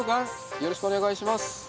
よろしくお願いします。